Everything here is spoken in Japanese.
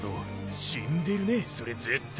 死んでるねそれ絶対。